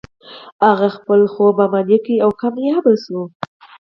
هغه خپل خوب عملي کړ او بريالی شو.